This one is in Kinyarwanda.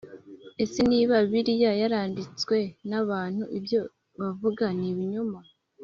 ese niba bibiliya yaranditswe n abantu ibyo bavuga nibinyoma